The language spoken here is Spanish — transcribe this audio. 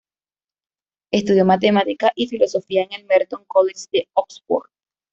Estudió matemáticas y filosofía en el Merton College de Oxford.